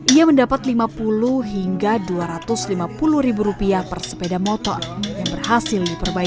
ia mendapat lima puluh hingga dua ratus lima puluh ribu rupiah per sepeda motor yang berhasil diperbaiki